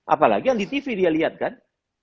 apalagi yang di tv dia lihat kan